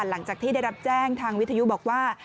หลังจากที่ได้รับแจ้งทางวิทยุบอกว่า